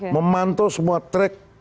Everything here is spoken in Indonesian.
memantau semua track